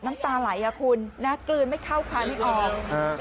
น้ำตาไหลคุณนะกลืนไม่เข้าคลานิออก